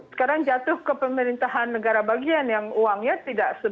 sekarang jatuh ke pemerintahan negara bagian yang uangnya tidak sebanyak pemerintahan federal